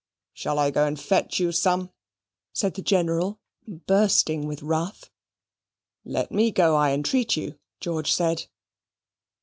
"Shall I go and fetch you some?" said the General, bursting with wrath. "Let ME go, I entreat you," George said.